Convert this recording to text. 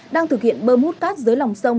đang thực hiện bơm hút cát dưới lòng sông